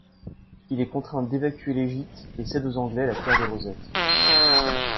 Il est contraint d'évacuer l'Égypte et cède aux Anglais la pierre de Rosette.